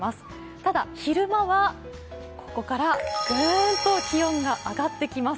ただ昼間は、ここからグーンと気温が上がってきます。